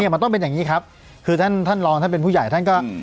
มันต้องเป็นอย่างนี้ครับคือท่านท่านรองท่านเป็นผู้ใหญ่ท่านก็